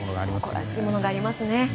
誇らしいものがありますね。